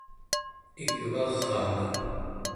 igvaraa